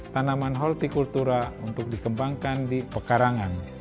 tanaman horticultura untuk dikembangkan di pekarangan